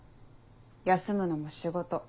休むのも仕事。